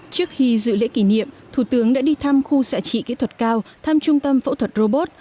trước khi dự lễ kỷ niệm thủ tướng đã đi thăm khu xạ trị kỹ thuật cao thăm trung tâm phẫu thuật robot